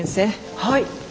はい。